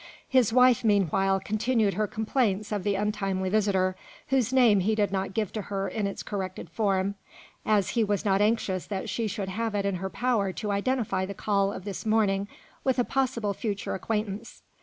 His wife, meanwhile, continued her complaints of the untimely visitor, whose name he did not give to her in its corrected form, as he was not anxious that she should have it in her power to identify the call of this morning with a possible future acquaintance.